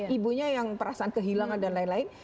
ibunya yang perasaan kehilangan dan lain lain